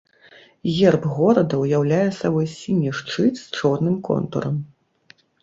Герб горада ўяўляе сабой сіні шчыт з чорным контурам.